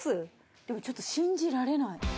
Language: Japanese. でもちょっと信じられない。